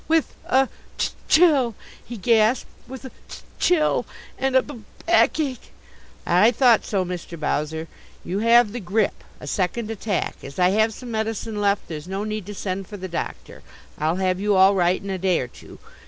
"W with a c chill!" he gasped "with a c chill and a b backache!" "I thought so. Mr. Bowser, you have the grip a second attack. As I have some medicine left, there's no need to send for the doctor. I'll have you all right in a day or two."